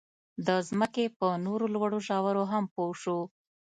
د ځمکې په نورو لوړو ژورو هم پوه شو.